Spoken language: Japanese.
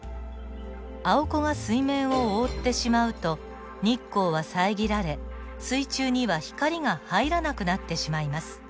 アオコが水面を覆ってしまうと日光は遮られ水中には光が入らなくなってしまいます。